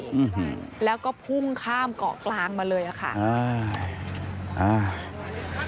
แล้วก็พุ่งข้ามเกาะกลางมาเลยค่ะ